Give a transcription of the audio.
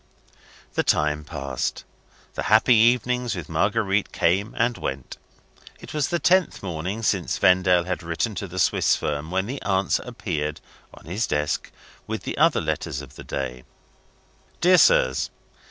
The time passed the happy evenings with Marguerite came and went. It was the tenth morning since Vendale had written to the Swiss firm, when the answer appeared, on his desk, with the other letters of the day: "Dear Sirs.